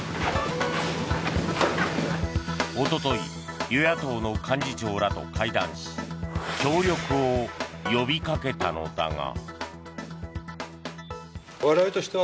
一昨日与野党の幹事長らと会談し協力を呼びかけたのだが。